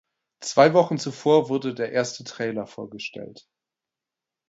Zwei Wochen zuvor wurde der erste Trailer vorgestellt.